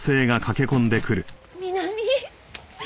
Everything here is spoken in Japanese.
美波！